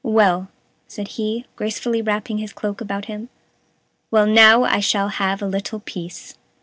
"Well," said he, gracefully wrapping his cloak about him, "well, now I shall have a little peace."